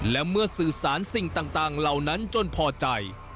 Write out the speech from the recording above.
และเมื่อสื่อสารสิ่งต่างเหล่านั้นจนพอใจ